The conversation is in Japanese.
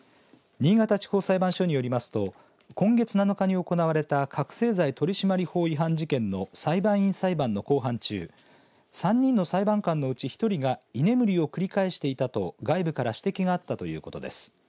新潟地方裁判所によりますと今月７日に行われた覚醒剤取締法違反事件の裁判員裁判の公判中３人の裁判官のうち１人が居眠りを繰り返していたと外部から指摘があったということです。